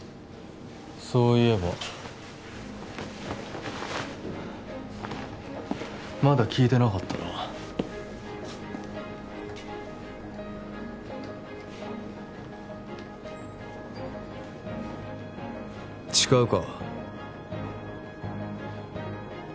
そういえばまだ聞いてなかったな誓うか？